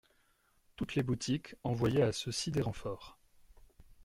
Toutes les boutiques envoyaient à ceux-ci des renforts.